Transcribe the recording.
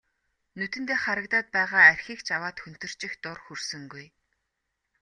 Нүдэндээ харагдаад байгаа архийг ч аваад хөнтөрчих дур хүрсэнгүй.